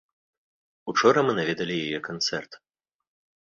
Учора мы наведалі яе канцэрт.